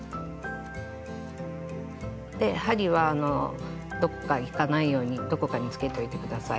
で針はどこかいかないようにどこかにつけておいて下さい。